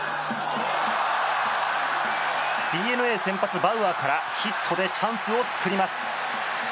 ＤｅＮＡ先発バウアーからヒットでチャンスを作ります。